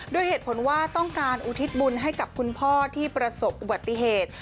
ด้วยเหตุผลว่าต้องการอุทิศบุญให้กับคุณพ่อที่ประสบอุบัติเหตุ